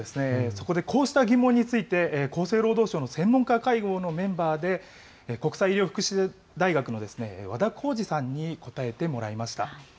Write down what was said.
そこでこうした疑問について、厚生労働省の専門家会合のメンバーで、国際医療福祉大学の和田耕治さんに答えてもらいました。